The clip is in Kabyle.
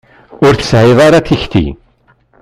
Ur tesεiḍ ara tikti.